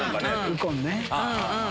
右近ね。